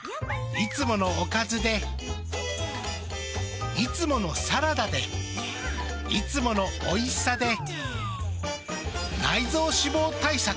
いつものおかずでいつものサラダでいつものおいしさで内臓脂肪対策。